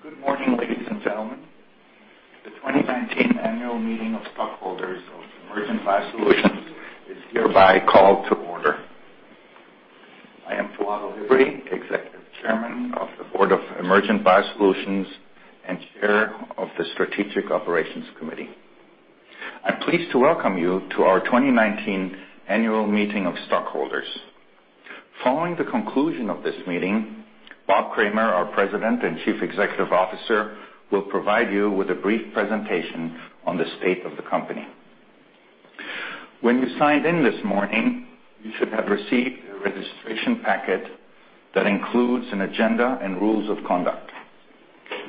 Good morning, ladies and gentlemen. The 2019 Annual Meeting of Stockholders of Emergent BioSolutions is hereby called to order. I am Fuad El-Hibri, Executive Chairman of the Board of Emergent BioSolutions and Chair of the Strategic Operations Committee. I'm pleased to welcome you to our 2019 Annual Meeting of Stockholders. Following the conclusion of this meeting, Bob Kramer, our President and Chief Executive Officer, will provide you with a brief presentation on the state of the company. When you signed in this morning, you should have received a registration packet that includes an agenda and rules of conduct.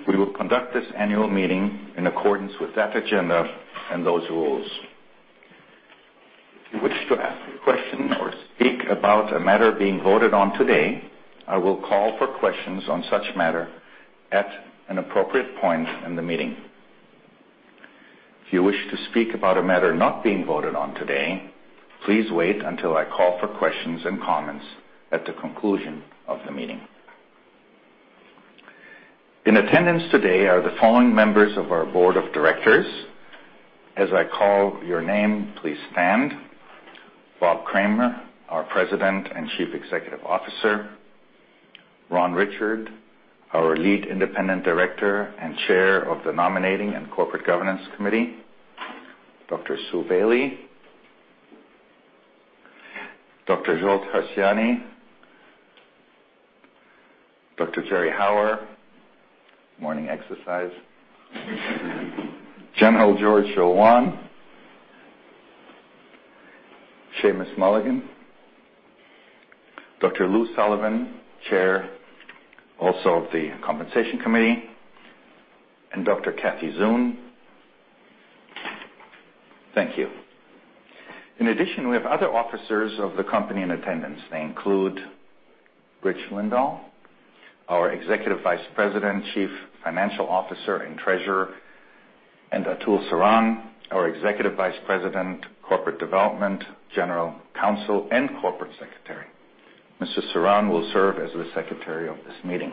We will conduct this annual meeting in accordance with that agenda and those rules. If you wish to ask a question or speak about a matter being voted on today, I will call for questions on such matter at an appropriate point in the meeting. If you wish to speak about a matter not being voted on today, please wait until I call for questions and comments at the conclusion of the meeting. In attendance today are the following members of our board of directors. As I call your name, please stand. Bob Kramer, our President and Chief Executive Officer. Ron Richard, our Lead Independent Director and Chair of the Nominating and Corporate Governance Committee. Dr. Sue Bailey. Dr. Zsolt Harsanyi. Dr. Jerry Hauer. Morning exercise. General George Joulwan. Seamus Mulligan. Dr. Lou Sullivan, Chair also of the Compensation Committee, and Dr. Kathy Zoon. Thank you. We have other officers of the company in attendance. They include Rich Lindahl, our Executive Vice President, Chief Financial Officer, and Treasurer, and Atul Saran, our Executive Vice President, Corporate Development, General Counsel, and Corporate Secretary. Mr. Saran will serve as the secretary of this meeting.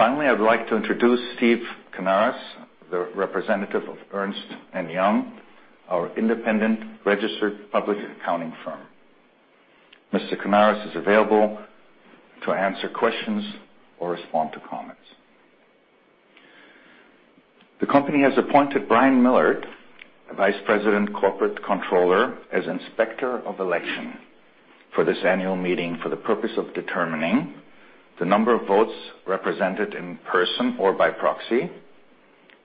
I'd like to introduce Steve Canaris, the representative of Ernst & Young, our independent registered public accounting firm. Mr. Canaris is available to answer questions or respond to comments. The company has appointed Brian Millard, Vice President Corporate Controller, as Inspector of Election for this annual meeting for the purpose of determining the number of votes represented in person or by proxy,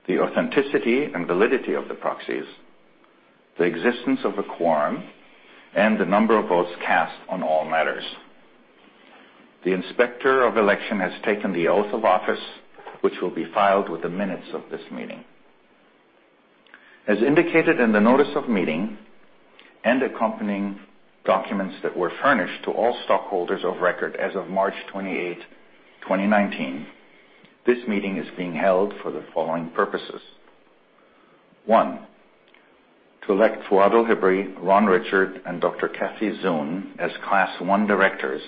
the authenticity and validity of the proxies, the existence of a quorum, and the number of votes cast on all matters. The Inspector of Election has taken the oath of office, which will be filed with the minutes of this meeting. As indicated in the notice of meeting and accompanying documents that were furnished to all stockholders of record as of March 28th, 2019, this meeting is being held for the following purposes. One, to elect Fuad El-Hibri, Ron Richard, and Dr. Kathy Zoon as Class 1 directors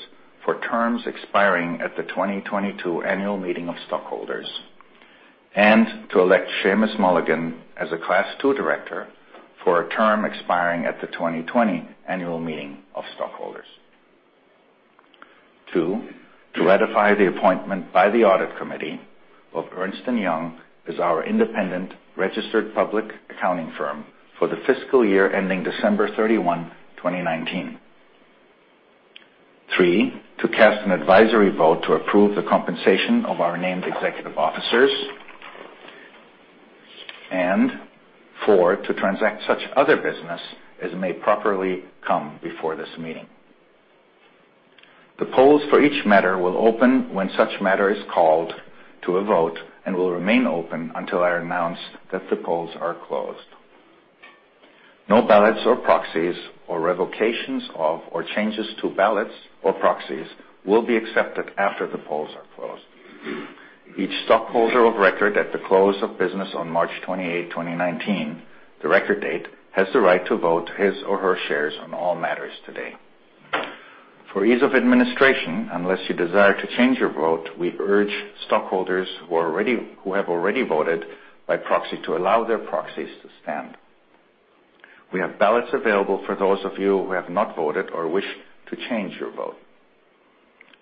for terms expiring at the 2022 annual meeting of stockholders. To elect Seamus Mulligan as a Class 2 director for a term expiring at the 2020 annual meeting of stockholders. Two, to ratify the appointment by the audit committee of Ernst & Young as our independent registered public accounting firm for the fiscal year ending December 31, 2019. Three, to cast an advisory vote to approve the compensation of our named executive officers. Four, to transact such other business as may properly come before this meeting. The polls for each matter will open when such matter is called to a vote and will remain open until I announce that the polls are closed. No ballots or proxies or revocations of, or changes to ballots or proxies will be accepted after the polls are closed. Each stockholder of record at the close of business on March 28th, 2019, the record date, has the right to vote his or her shares on all matters today. For ease of administration, unless you desire to change your vote, we urge stockholders who have already voted by proxy to allow their proxies to stand. We have ballots available for those of you who have not voted or wish to change your vote.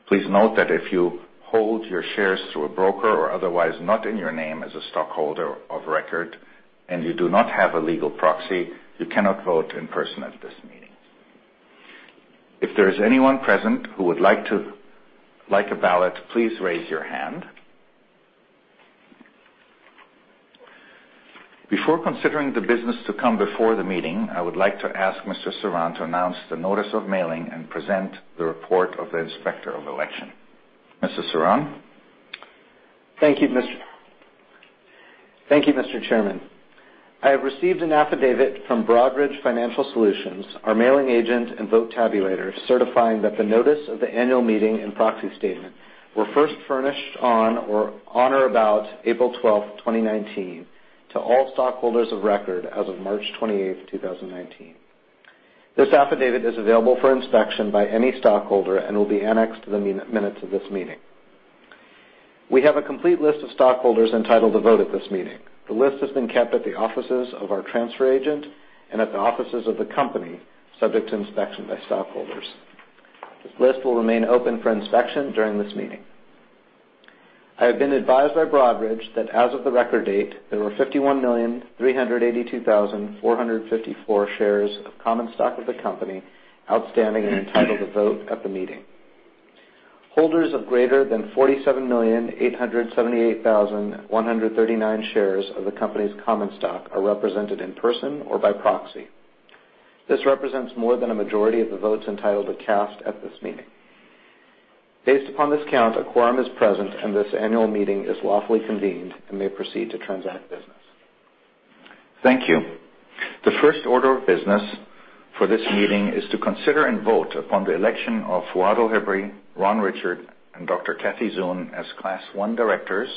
Please note that if you hold your shares through a broker or otherwise not in your name as a stockholder of record and you do not have a legal proxy, you cannot vote in person at this meeting. If there is anyone present who would like a ballot, please raise your hand. Before considering the business to come before the meeting, I would like to ask Mr. Saran to announce the notice of mailing and present the report of the Inspector of Election. Mr. Saran? Thank you, Mr. Chairman. I have received an affidavit from Broadridge Financial Solutions, our mailing agent and vote tabulator, certifying that the notice of the annual meeting and proxy statement were first furnished on or about April 12th, 2019, to all stockholders of record as of March 28th, 2019. This affidavit is available for inspection by any stockholder and will be annexed to the minutes of this meeting. We have a complete list of stockholders entitled to vote at this meeting. The list has been kept at the offices of our transfer agent and at the offices of the company, subject to inspection by stockholders. This list will remain open for inspection during this meeting. I have been advised by Broadridge that as of the record date, there were 51,382,454 shares of common stock of the company outstanding and entitled to vote at the meeting. Holders of greater than 47,878,139 shares of the company's common stock are represented in person or by proxy. This represents more than a majority of the votes entitled to cast at this meeting. Based upon this count, a quorum is present and this annual meeting is lawfully convened and may proceed to transact business. Thank you. The first order of business for this meeting is to consider and vote upon the election of Fuad El-Hibri, Ron Richard, and Dr. Kathy Zoon as Class I directors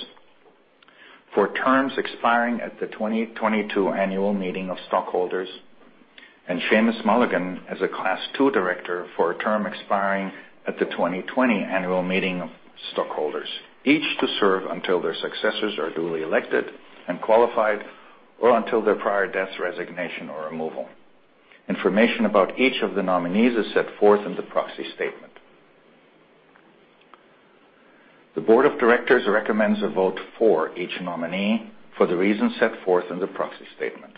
for terms expiring at the 2022 annual meeting of stockholders, and Seamus Mulligan as a Class II director for a term expiring at the 2020 annual meeting of stockholders. Each to serve until their successors are duly elected and qualified or until their prior death, resignation, or removal. Information about each of the nominees is set forth in the proxy statement. The board of directors recommends a vote for each nominee for the reasons set forth in the proxy statement.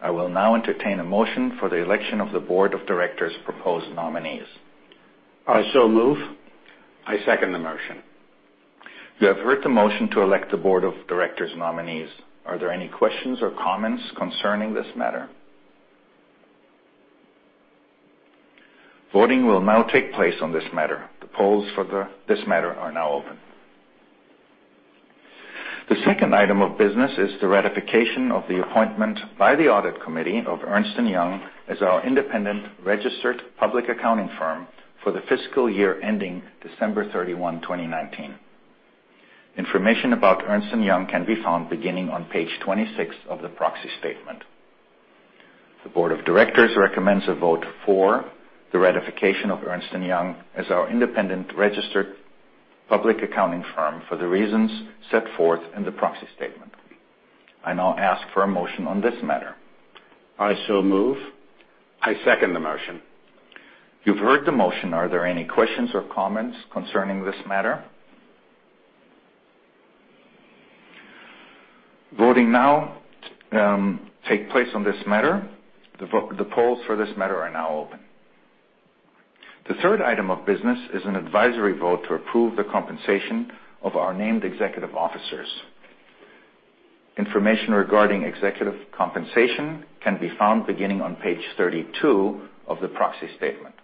I will now entertain a motion for the election of the board of directors' proposed nominees. I so move. I second the motion. You have heard the motion to elect the board of directors' nominees. Are there any questions or comments concerning this matter? Voting will now take place on this matter. The polls for this matter are now open. The second item of business is the ratification of the appointment by the audit committee of Ernst & Young as our independent registered public accounting firm for the fiscal year ending December 31, 2019. Information about Ernst & Young can be found beginning on page 26 of the proxy statement. The board of directors recommends a vote for the ratification of Ernst & Young as our independent registered public accounting firm for the reasons set forth in the proxy statement. I now ask for a motion on this matter. I so move. I second the motion. You've heard the motion. Are there any questions or comments concerning this matter? Voting now take place on this matter. The polls for this matter are now open. The third item of business is an advisory vote to approve the compensation of our named executive officers. Information regarding executive compensation can be found beginning on page 32 of the proxy statement.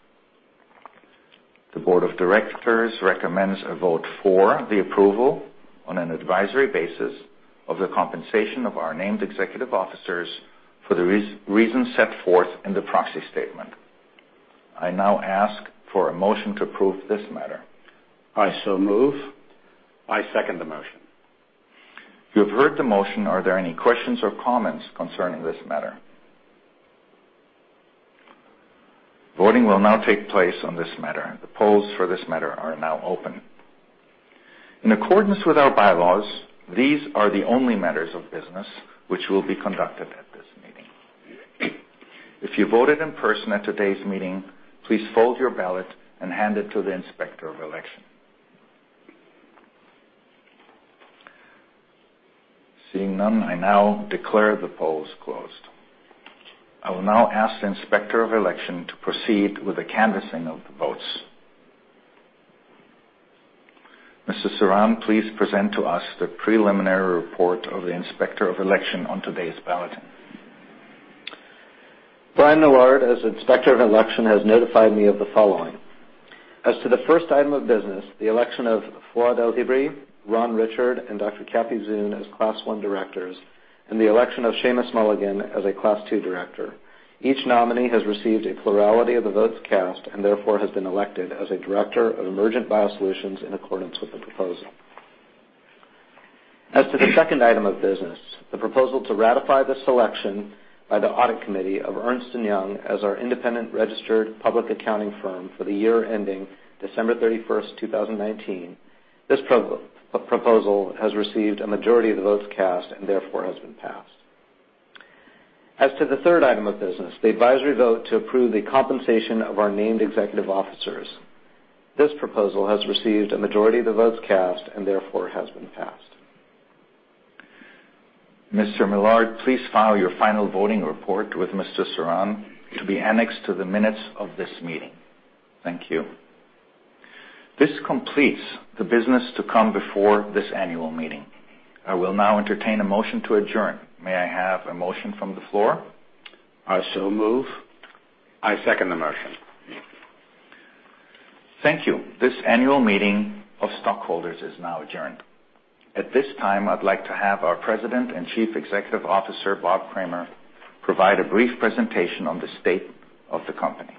The board of directors recommends a vote for the approval on an advisory basis of the compensation of our named executive officers for the reasons set forth in the proxy statement. I now ask for a motion to approve this matter. I so move. I second the motion. You have heard the motion. Are there any questions or comments concerning this matter? Voting will now take place on this matter. The polls for this matter are now open. In accordance with our bylaws, these are the only matters of business which will be conducted at this meeting. If you voted in person at today's meeting, please fold your ballot and hand it to the Inspector of Election. Seeing none, I now declare the polls closed. I will now ask the Inspector of Election to proceed with the canvassing of the votes. Mr. Saran, please present to us the preliminary report of the Inspector of Election on today's ballot. Brian Millard, as Inspector of Election, has notified me of the following. As to the first item of business, the election of Fuad El-Hibri, Ron Richard, and Dr. Kathy Zoon as Class I directors, and the election of Seamus Mulligan as a Class II director. Each nominee has received a plurality of the votes cast and therefore has been elected as a director of Emergent BioSolutions in accordance with the proposal. As to the second item of business, the proposal to ratify the selection by the audit committee of Ernst & Young as our independent registered public accounting firm for the year ending December 31st, 2019. This proposal has received a majority of the votes cast and therefore has been passed. As to the third item of business, the advisory vote to approve the compensation of our named executive officers. This proposal has received a majority of the votes cast and therefore has been passed. Mr. Millard, please file your final voting report with Mr. Saran to be annexed to the minutes of this meeting. Thank you. This completes the business to come before this annual meeting. I will now entertain a motion to adjourn. May I have a motion from the floor? I so move. I second the motion. Thank you. This annual meeting of stockholders is now adjourned. At this time, I'd like to have our President and Chief Executive Officer, Bob Kramer, provide a brief presentation on the state of the company.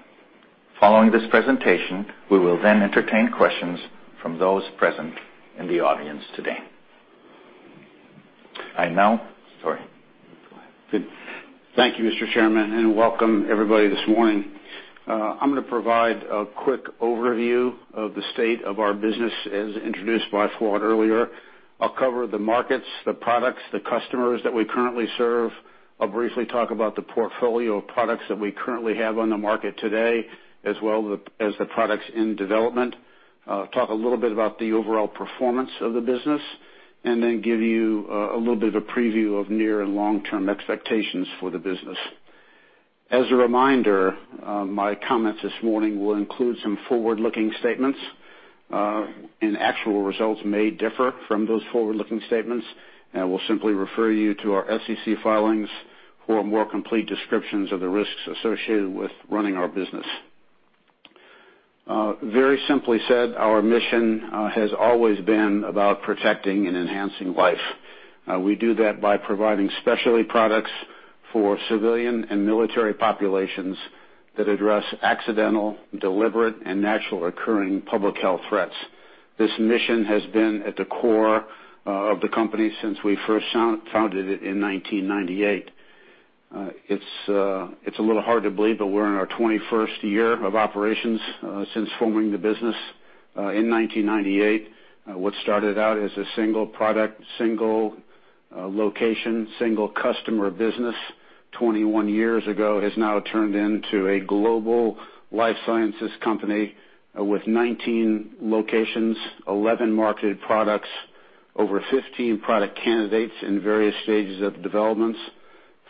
Following this presentation, we will then entertain questions from those present in the audience today. I know. Sorry. Good. Thank you, Mr. Chairman, welcome everybody this morning. I'm going to provide a quick overview of the state of our business, as introduced by Fuad earlier. I'll cover the markets, the products, the customers that we currently serve. I'll briefly talk about the portfolio of products that we currently have on the market today, as well as the products in development. I'll talk a little bit about the overall performance of the business, then give you a little bit of a preview of near and long-term expectations for the business. As a reminder, my comments this morning will include some forward-looking statements, actual results may differ from those forward-looking statements. We'll simply refer you to our SEC filings for a more complete descriptions of the risks associated with running our business. Very simply said, our mission has always been about protecting and enhancing life. We do that by providing specialty products for civilian and military populations that address accidental, deliberate, and natural occurring public health threats. This mission has been at the core of the company since we first founded it in 1998. It's a little hard to believe, we're in our 21st year of operations since forming the business, in 1998. What started out as a single product, single location, single customer business 21 years ago has now turned into a global life sciences company with 19 locations, 11 marketed products, over 15 product candidates in various stages of developments,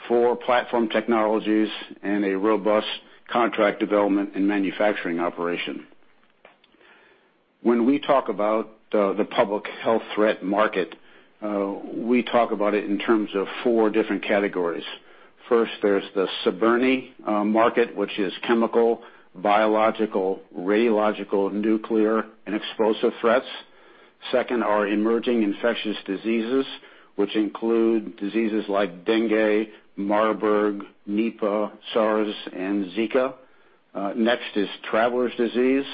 four platform technologies, and a robust contract development and manufacturing operation. When we talk about the public health threat market, we talk about it in terms of 4 different categories. First, there's the CBRNE market, which is chemical, biological, radiological, nuclear, and explosive threats. Second are emerging infectious diseases, which include diseases like dengue, Marburg, Nipah, SARS, and Zika. Next is travelers' disease.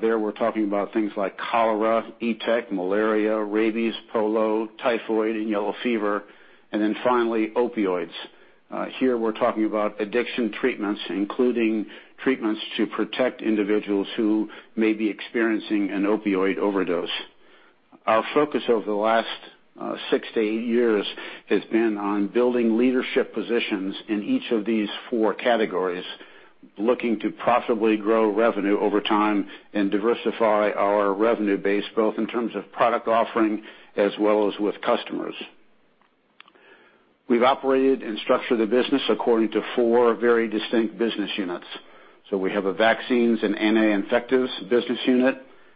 There we're talking about things like cholera, ETEC, malaria, rabies, polio, typhoid, and yellow fever. Finally, opioids. Here we're talking about addiction treatments, including treatments to protect individuals who may be experiencing an opioid overdose. Our focus over the last six to eight years has been on building leadership positions in each of these 4 categories, looking to profitably grow revenue over time and diversify our revenue base, both in terms of product offering as well as with customers. We've operated and structured the business according to 4 very distinct business units. We have a vaccines and anti-infectives business unit,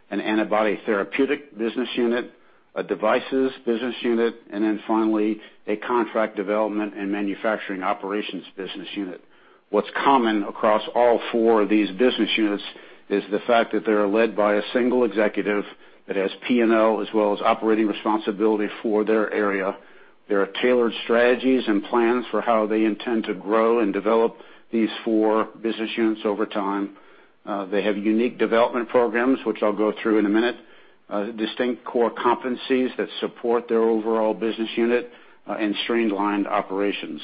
an antibody therapeutic business unit, a devices business unit, and then finally a contract development and manufacturing operations business unit. What's common across all 4 of these business units is the fact that they are led by a single executive that has P&L, as well as operating responsibility for their area. There are tailored strategies and plans for how they intend to grow and develop these 4 business units over time. They have unique development programs, which I'll go through in a minute, distinct core competencies that support their overall business unit, and streamlined operations.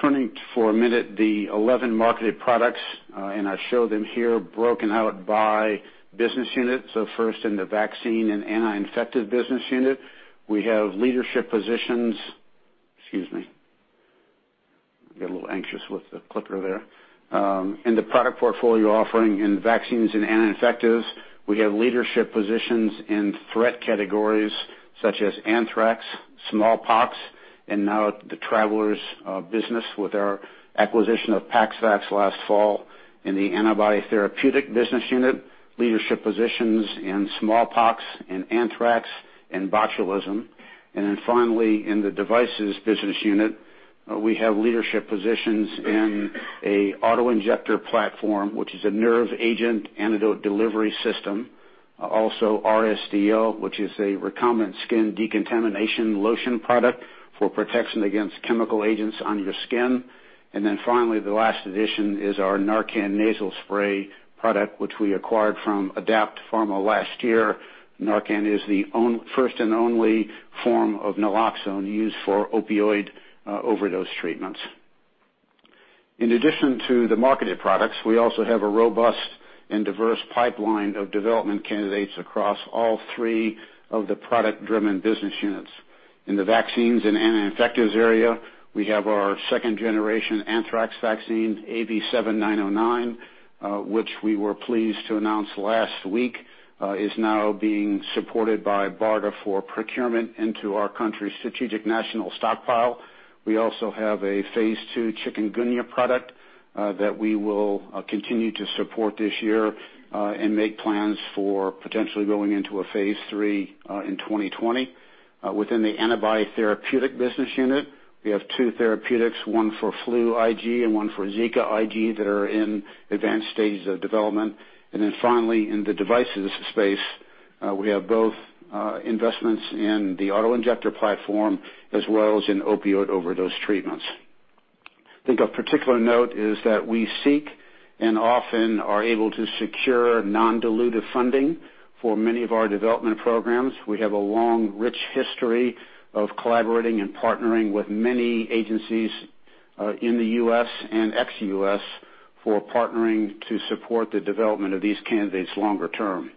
Turning for a minute, the 11 marketed products, I show them here broken out by business unit. First in the vaccine and anti-infective business unit, we have leadership positions Excuse me. I get a little anxious with the clicker there. In the product portfolio offering in vaccines and anti-infectives, we have leadership positions in threat categories such as anthrax, smallpox, and now the travelers business with our acquisition of PaxVax last fall. In the antibody therapeutic business unit, leadership positions in smallpox and anthrax and botulism. Finally, in the devices business unit, we have leadership positions in an auto-injector platform, which is a nerve agent antidote delivery system. Also RSDL, which is a Reactive Skin Decontamination Lotion product for protection against chemical agents on your skin. Finally, the last addition is our NARCAN Nasal Spray product, which we acquired from Adapt Pharma last year. NARCAN is the first and only form of naloxone used for opioid overdose treatments. In addition to the marketed products, we also have a robust and diverse pipeline of development candidates across all three of the product-driven business units. In the vaccines and anti-infectives area, we have our second generation anthrax vaccine, AV7909, which we were pleased to announce last week, is now being supported by BARDA for procurement into our country's Strategic National Stockpile. We also have a phase II chikungunya product, that we will continue to support this year, and make plans for potentially going into a phase III in 2020. Within the antibody therapeutic business unit, we have two therapeutics, one for FLU IG and one for Zika IG, that are in advanced stages of development. Finally, in the devices space, we have both investments in the auto-injector platform as well as in opioid overdose treatments. I think a particular note is that we seek and often are able to secure non-dilutive funding for many of our development programs. We have a long, rich history of collaborating and partnering with many agencies in the U.S. and ex-U.S. for partnering to support the development of these candidates longer term.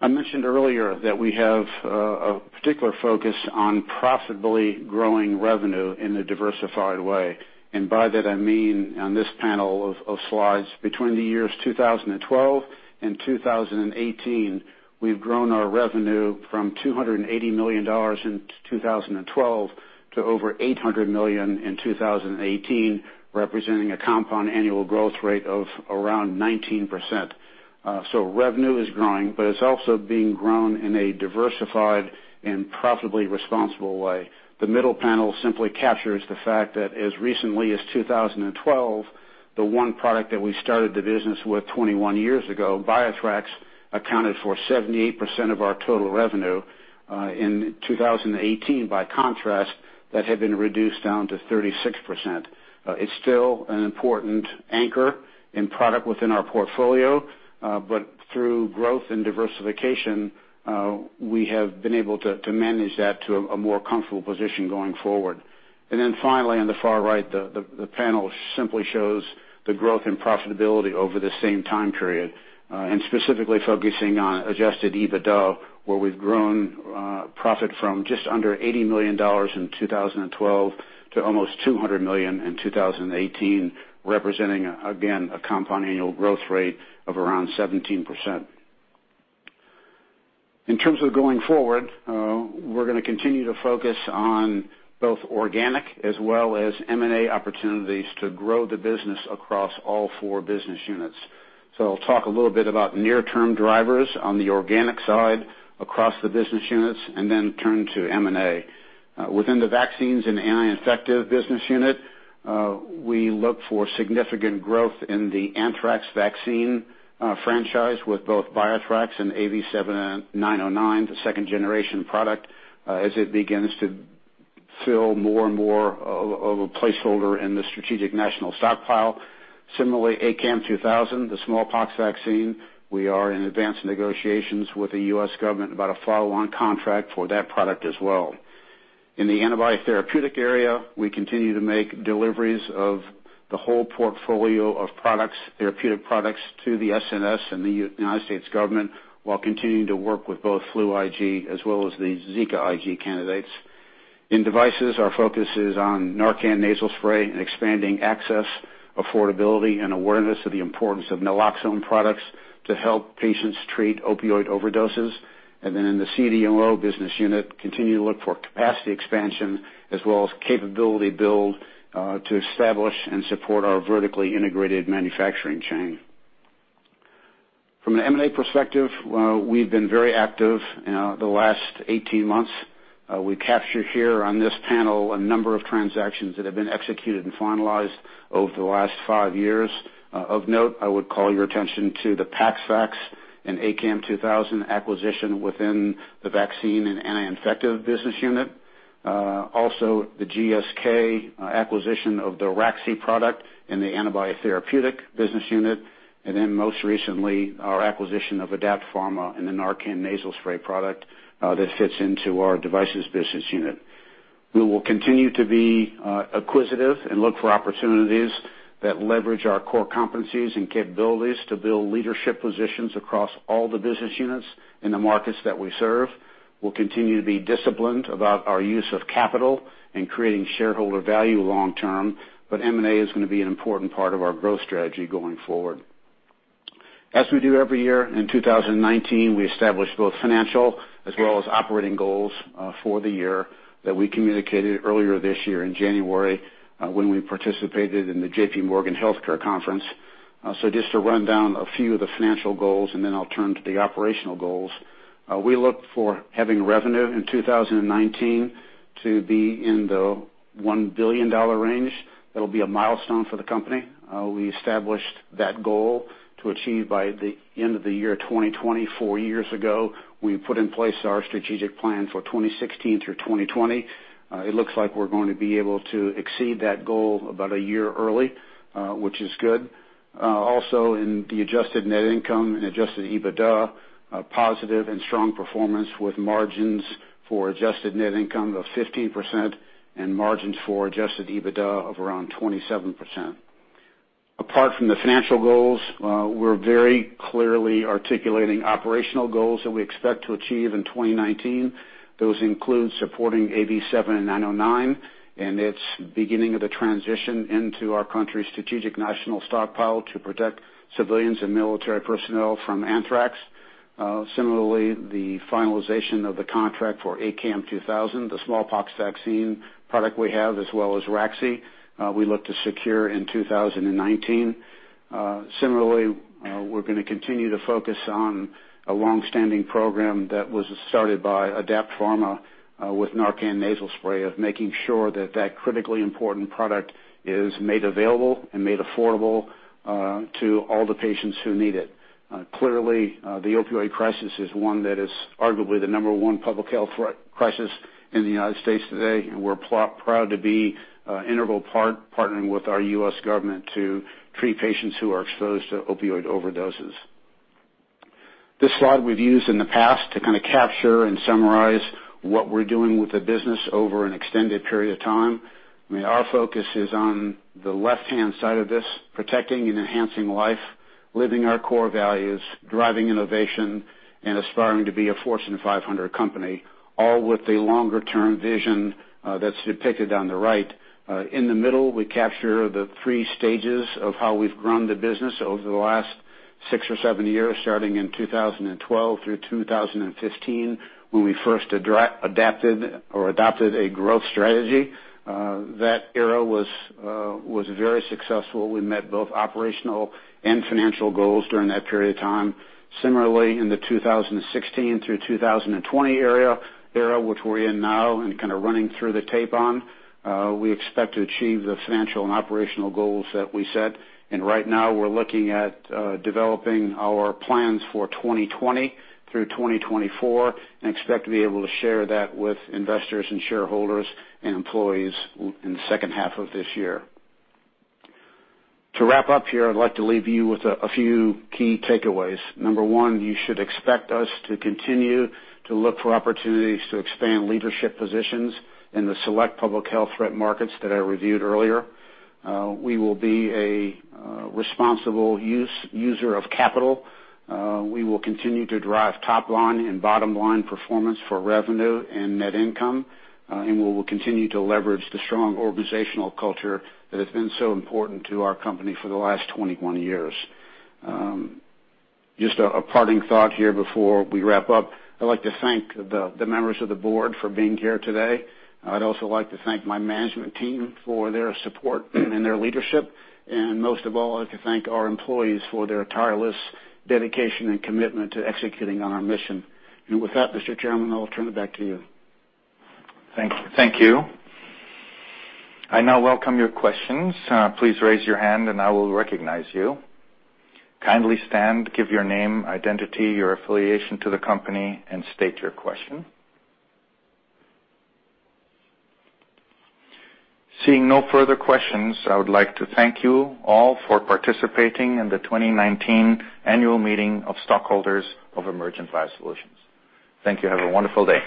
I mentioned earlier that we have a particular focus on profitably growing revenue in a diversified way. By that, I mean on this panel of slides, between the years 2012 and 2018, we've grown our revenue from $280 million in 2012 to over $800 million in 2018, representing a compound annual growth rate of around 19%. Revenue is growing, but it's also being grown in a diversified and profitably responsible way. The middle panel simply captures the fact that as recently as 2012, the one product that we started the business with 21 years ago, BioThrax, accounted for 78% of our total revenue. In 2018, by contrast, that had been reduced down to 36%. It's still an important anchor and product within our portfolio, but through growth and diversification, we have been able to manage that to a more comfortable position going forward. Finally, on the far right, the panel simply shows the growth and profitability over the same time period. Specifically focusing on adjusted EBITDA, where we've grown profit from just under $80 million in 2012 to almost $200 million in 2018, representing, again, a compound annual growth rate of around 17%. In terms of going forward, we're going to continue to focus on both organic as well as M&A opportunities to grow the business across all four business units. I'll talk a little bit about near-term drivers on the organic side across the business units, and then turn to M&A. Within the vaccines and anti-infective business unit, we look for significant growth in the anthrax vaccine franchise with both BioThrax and AV7909, the second-generation product, as it begins to fill more and more of a placeholder in the Strategic National Stockpile. Similarly, ACAM2000, the smallpox vaccine, we are in advanced negotiations with the U.S. government about a follow-on contract for that product as well. In the antibiotic therapeutics area, we continue to make deliveries of the whole portfolio of products, therapeutic products to the SNS and the U.S. government, while continuing to work with both FLU-IVIG as well as the ZIKV-IG candidates. In devices, our focus is on NARCAN Nasal Spray and expanding access, affordability, and awareness of the importance of naloxone products to help patients treat opioid overdoses. In the CDMO business unit, continue to look for capacity expansion as well as capability build to establish and support our vertically integrated manufacturing chain. From an M&A perspective, we've been very active the last 18 months. We capture here on this panel a number of transactions that have been executed and finalized over the last five years. Of note, I would call your attention to the PaxVax and ACAM2000 acquisition within the vaccine and anti-infective business unit. Also, the GSK acquisition of the RAXI product in the antibiotic therapeutics business unit. Most recently, our acquisition of Adapt Pharma and the NARCAN Nasal Spray product that fits into our devices business unit. We will continue to be acquisitive and look for opportunities that leverage our core competencies and capabilities to build leadership positions across all the business units in the markets that we serve. We'll continue to be disciplined about our use of capital and creating shareholder value long term, M&A is going to be an important part of our growth strategy going forward. As we do every year, in 2019, we established both financial as well as operating goals for the year that we communicated earlier this year in January when we participated in the J.P. Morgan Healthcare Conference. Just to run down a few of the financial goals, I'll turn to the operational goals. We look for having revenue in 2019 to be in the $1 billion range. That'll be a milestone for the company. We established that goal to achieve by the end of the year 2024 years ago. We put in place our strategic plan for 2016 through 2020. It looks like we're going to be able to exceed that goal about a year early, which is good. Also, in the adjusted net income and adjusted EBITDA, a positive and strong performance with margins for adjusted net income of 15% and margins for adjusted EBITDA of around 27%. Apart from the financial goals, we're very clearly articulating operational goals that we expect to achieve in 2019. Those include supporting AV7909 and its beginning of the transition into our country's Strategic National Stockpile to protect civilians and military personnel from anthrax. Similarly, the finalization of the contract for ACAM2000, the smallpox vaccine product we have, as well as raxi, we look to secure in 2019. Similarly, we're going to continue to focus on a long-standing program that was started by Adapt Pharma with NARCAN Nasal Spray of making sure that that critically important product is made available and made affordable to all the patients who need it. Clearly, the opioid crisis is one that is arguably the number one public health crisis in the United States today, and we're proud to be integral part, partnering with our U.S. government to treat patients who are exposed to opioid overdoses. This slide we've used in the past to kind of capture and summarize what we're doing with the business over an extended period of time. Our focus is on the left-hand side of this, protecting and enhancing life, living our core values, driving innovation, and aspiring to be a Fortune 500 company, all with the longer term vision that's depicted on the right. In the middle, we capture the 3 stages of how we've grown the business over the last six or seven years, starting in 2012 through 2015, when we first adapted or adopted a growth strategy. That era was very successful. We met both operational and financial goals during that period of time. Similarly, in the 2016 through 2020 era, which we're in now and kind of running through the tape on, we expect to achieve the financial and operational goals that we set. Right now, we're looking at developing our plans for 2020 through 2024, and expect to be able to share that with investors and shareholders and employees in the second half of this year. To wrap up here, I'd like to leave you with a few key takeaways. Number one, you should expect us to continue to look for opportunities to expand leadership positions in the select public health threat markets that I reviewed earlier. We will be a responsible user of capital. We will continue to drive top-line and bottom-line performance for revenue and net income. We will continue to leverage the strong organizational culture that has been so important to our company for the last 21 years. Just a parting thought here before we wrap up. I'd like to thank the members of the board for being here today. I'd also like to thank my management team for their support and their leadership. Most of all, I'd like to thank our employees for their tireless dedication and commitment to executing on our mission. With that, Mr. Chairman, I'll turn it back to you. Thank you. I now welcome your questions. Please raise your hand and I will recognize you. Kindly stand, give your name, identity, your affiliation to the company, and state your question. Seeing no further questions, I would like to thank you all for participating in the 2019 annual meeting of stockholders of Emergent BioSolutions. Thank you. Have a wonderful day.